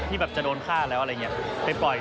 แบบจะโดนฆ่าแล้วอะไรอย่างนี้ไปปล่อย